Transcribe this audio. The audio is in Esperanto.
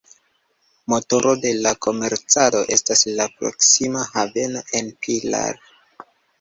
Motoro de la komercado estas la proksima haveno en Pilar.